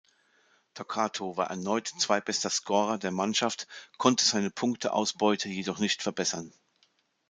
Torquato war erneut zweitbester Scorer der Mannschaft, konnte seine Punkteausbeute jedoch nicht verbessern.